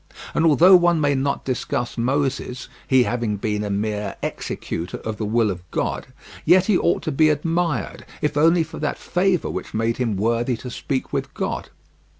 And although one may not discuss Moses, he having been a mere executor of the will of God, yet he ought to be admired, if only for that favour which made him worthy to speak with God.